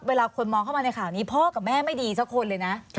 เวลาคนมองเข้ามาในข่าวนี้พ่อกับแม่ไม่ดีสักคนเลยนะ